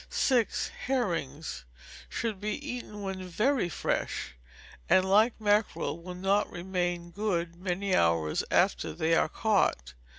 6. Herrings should be eaten when very fresh; and, like mackerel, will not remain good many hours after they are caught.